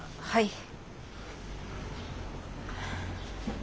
はい。